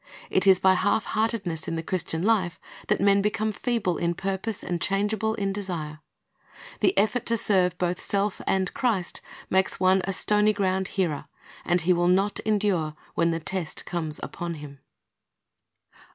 It is by half heartedness in the Christian life that men become feeble in purpose and changeable in desire. The effort to serve both self and Christ makes one a stony ground hearer, and he will not endure when the test comes upon him.